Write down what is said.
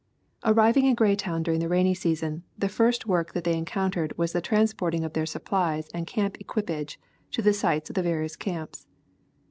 Ar riving at Greytown during the rainy season, the first work that they encountered was the transporting of their supplies and camp equipage to the sites of the various camps.